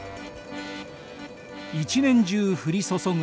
一年中降り注ぐ